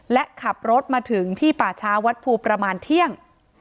และขับรถมาถึงที่ป่าช้าวัดภูประมาณเที่ยง